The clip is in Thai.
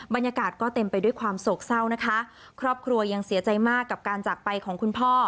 บรรยากาศก็เต็มไปด้วยความโศกเศร้านะคะครอบครัวยังเสียใจมากกับการจากไปของคุณพ่อ